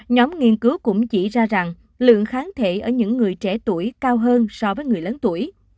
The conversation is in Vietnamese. nhóm nghiên cứu cũng chỉ ra rằng lượng kháng thể ở những người trẻ tuổi cao hơn so với người lớn tuổi